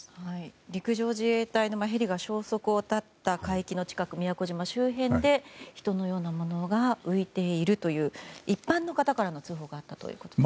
陸上自衛隊のヘリが消息を絶った海域の近く宮古島周辺で人のようなものが浮いているという一般の方からの通報があったということです。